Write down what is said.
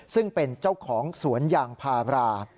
ซึ่งเป็นเจ้าของสวนยางพารา